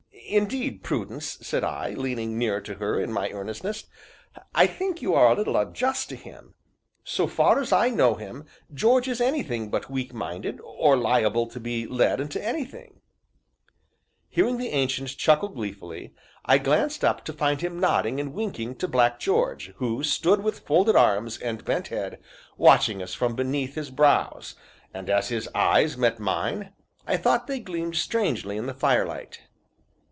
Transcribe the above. "Indeed, Prudence," said I, leaning nearer to her in my earnestness, "I think you are a little unjust to him. So far as I know him, George is anything but weak minded, or liable to be led into anything " Hearing the Ancient chuckle gleefully, I glanced up to find him nodding and winking to Black George, who stood with folded arms and bent head, watching us from beneath his brows, and, as his eyes met mine, I thought they gleamed strangely in the firelight.